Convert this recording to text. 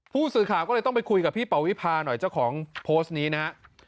ผู้สื่อข่าวก็เลยต้องไปคุยกับพี่ปวิภาหน่อยเจ้าของโพสต์นี้นะฮะ